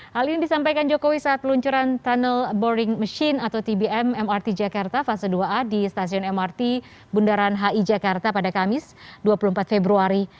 hal ini disampaikan jokowi saat peluncuran tunnel boring machine atau tbm mrt jakarta fase dua a di stasiun mrt bundaran hi jakarta pada kamis dua puluh empat februari